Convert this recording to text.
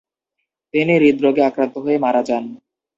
তিনি হৃদরোগে আক্রান্ত হয়ে মারা যান ।